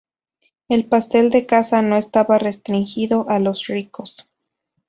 El pastel de caza no estaba restringido a los ricos.